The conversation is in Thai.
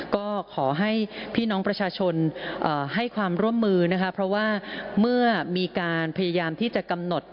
ก็ขอให้พี่น้องประชาชนให้ความร่วมมือนะคะเพราะว่าเมื่อมีการพยายามที่จะกำหนด